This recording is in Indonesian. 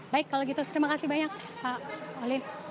baik kalau gitu terima kasih banyak pak olin